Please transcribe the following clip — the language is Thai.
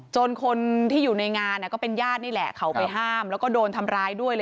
คนที่อยู่ในงานก็เป็นญาตินี่แหละเขาไปห้ามแล้วก็โดนทำร้ายด้วย